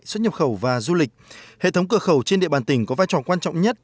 xuất nhập khẩu và du lịch hệ thống cửa khẩu trên địa bàn tỉnh có vai trò quan trọng nhất